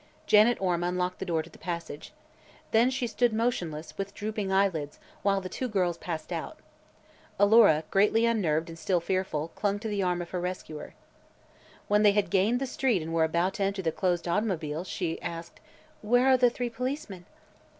Janet Orme unlocked the door to the passage. Then she stood motionless, with drooping eyelids, while the two girls passed out. Alora, greatly unnerved and still fearful, clung to the arm of her rescuer. When they had gained the street and were about to enter the closed automobile she asked: "Where are the three policemen?"